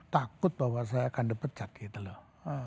takut bahwa saya akan dipecat gitu loh